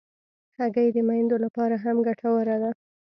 هګۍ د میندو لپاره هم ګټوره ده.